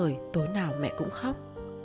trời tối nào mẹ cũng khóc